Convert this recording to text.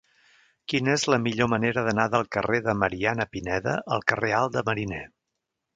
Quina és la millor manera d'anar del carrer de Mariana Pineda al carrer Alt de Mariner?